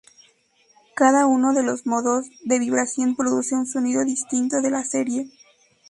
Cada uno de los modos de vibración produce un sonido distinto de la serie.